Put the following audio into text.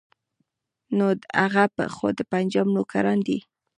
نو هغه خو د پنجاب نوکران دي.